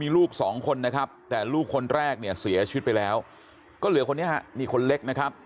ลูกสองคนนะครับแต่ลูกคนแรกเนี่ยเสียชีวิตไปแล้วก็เหลือคนนี้ฮะนี่คนเล็กนะครับ